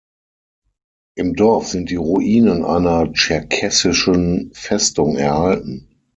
Im Dorf sind die Ruinen einer tscherkessischen Festung erhalten.